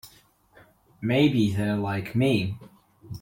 Maybe they're like me.